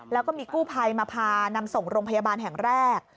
แล้วก็มีกู้ภัยมาพานำส่งโรงพยาบาลแห่งแรก